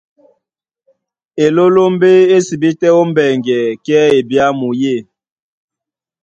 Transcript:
Elólómbé é sibí tɛ́ ó mbɛŋgɛ, kɛ́ ebyámu yê.